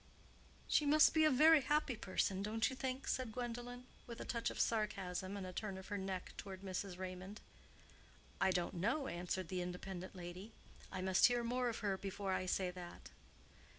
"She must be a very happy person, don't you think?" said Gwendolen, with a touch of sarcasm, and a turn of her neck toward Mrs. Raymond. "I don't know," answered the independent lady; "I must hear more of her before I say that."